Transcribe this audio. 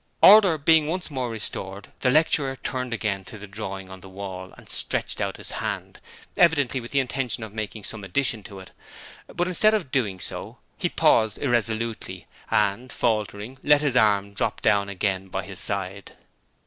Order being once more restored, the lecturer turned again to the drawing on the wall and stretched out his hand, evidently with the intention of making some addition to it, but instead of doing so he paused irresolutely, and faltering, let his arm drop down again by his side.